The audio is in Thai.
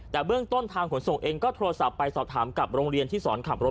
แต่เบื้องต้นทางขนส่งเองก็โทรศัพท์ไปสอบถามกับโรงเรียนที่สอนขับรถ